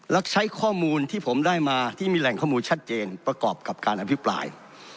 และใช้ข้อมูลที่ผมได้มาที่มีแหล่งข้อมูลชัดเจนประกอบกับการอภิปราย